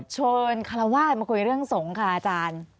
เชิญคารวาสมาคุยเรื่องสงฆ์ค่ะอาจารย์